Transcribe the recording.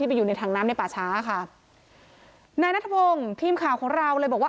ไปอยู่ในถังน้ำในป่าช้าค่ะนายนัทพงศ์ทีมข่าวของเราเลยบอกว่า